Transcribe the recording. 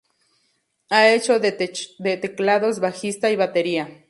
Ha hecho de teclados, bajista y batería.